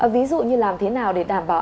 ví dụ như làm thế nào để đảm bảo